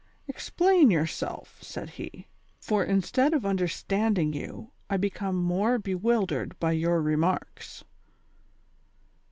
"• Explain yourself," said he ; ''for instead of understand ing you, I become more bewildered by your remarks."